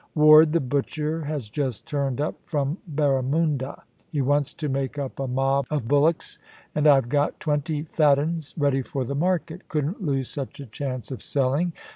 Ward, the butcher, has just turned up from Barramunda. He wants to make up a mob of bullocks, and I've got twenty fat uns ready for the market Couldn't lose such a chance of selling.